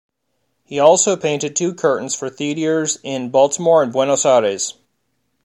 He also painted two curtains for theaters in Baltimore and Buenos Aires.